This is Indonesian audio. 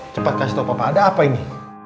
cepat kasih tau papa ada apa ini